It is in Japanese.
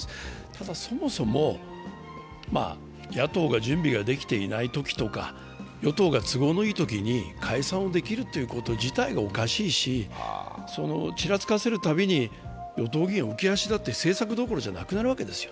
ただ、そもそも、野党が準備ができていないときとか、与党が都合のいいときに解散できるということ自体がおかしいしちらつかせるたびに与党議員は浮き足だって政策どころじゃなくなるわけですよ。